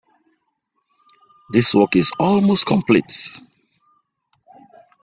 This work is almost complete.